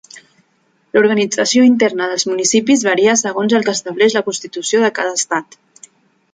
L'organització interna dels municipis varia segons el que estableix la constitució de cada estat.